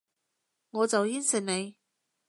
我就應承你